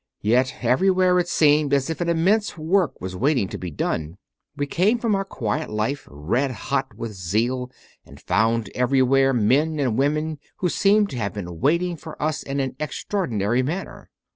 Yet everywhere it seemed as if an immense work was waiting to be done. We came from our quiet life red hot with zeal and found everywhere men and women who seemed to have been waiting for us in an extraordinary manner.